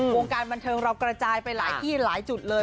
วงการบันเทิงเรากระจายไปหลายที่หลายจุดเลย